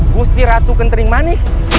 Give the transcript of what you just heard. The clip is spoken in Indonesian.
gusti ratu kentering mani